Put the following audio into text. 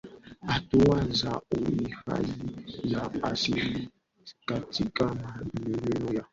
hatua za uhifadhi wa asili katika maeneo ya